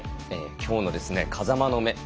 きょうの「風間の目」